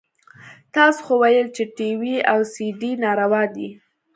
تاسو خو ويل چې ټي وي او سي ډي ناروا دي.